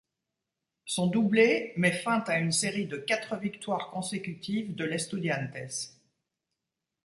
Son doublé met fin à une série de quatre victoires consécutives de l'Estudiantes.